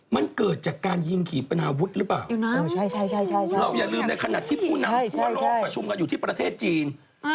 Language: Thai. มันเกิดจากการยิงขี่ปนาวุฒร์หรือเปล่าอยู่น้ำใช่เราอย่าลืมในขณะที่พูดหนังว่ารอบประชุมกันอยู่ที่ประเทศจีน